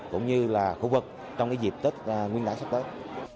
cũng như là khu vực trong dịp tết nguyên đảng sắp tới